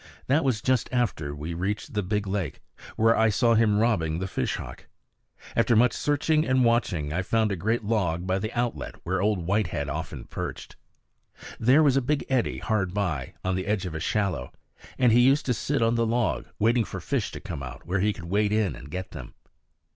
That was just after we reached the big lake, where I saw him robbing the fish hawk. After much searching and watching I found a great log by the outlet where Old Whitehead often perched. There was a big eddy hard by, on the edge of a shallow, and he used to sit on the log, waiting for fish to come out where he could wade in and get them.